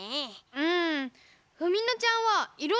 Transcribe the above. うん。